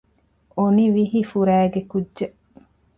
އޮނިވިހި ފުރައިގެ ކުއްޖެއް